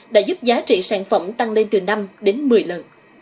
đã giúp giá trị sản phẩm tăng lên từ năm đến một mươi lần